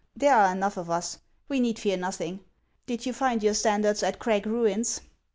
There are enough of us ; we need fear nothing. Did you find your standards at Crag ruins ?